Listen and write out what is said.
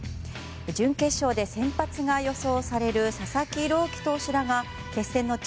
準決勝で先発が予想される佐々木朗希投手らが決戦の地